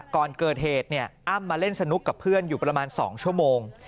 ก่อนเกิดเหตุอ้ำมาเล่นสนุกกับเพื่อนอยู่ประมาณ๒ชั่วโมง